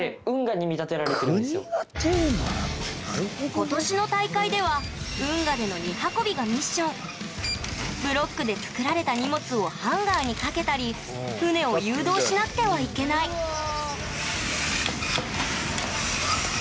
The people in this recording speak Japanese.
今年の大会ではブロックで作られた荷物をハンガーにかけたり船を誘導しなくてはいけないうわ。